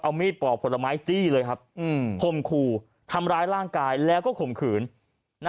เอามีดปอกผลไม้จี้เลยครับคมขู่ทำร้ายร่างกายแล้วก็ข่มขืน